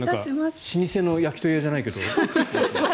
老舗の焼き鳥屋じゃないけど。